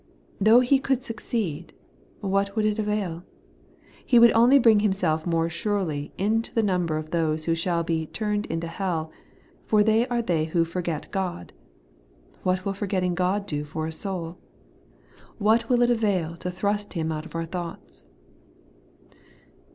Though he could succeed, what would it avail ? He would only bring himself more surely into the num ber of those who shall be * turned into hell ;' for they are they who ' forget God.' What will forgetting God do for a soul ? What will it avail to thrust Him out of our thoughts